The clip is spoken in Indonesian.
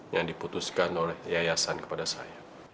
yang diputuskan oleh yayasan kepada saya